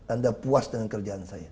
anda puas dengan kerjaan saya